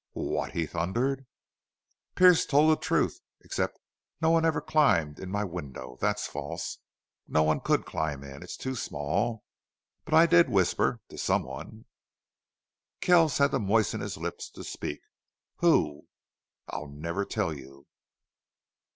"WHAT!" he thundered. "Pearce told the truth except that no one ever climbed in my window. That's false. No one could climb in. It's too small.... But I did whisper to someone." Kells had to moisten his lips to speak. "Who?" "I'll never tell you."